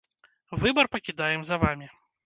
Выбар пакідаем за вамі!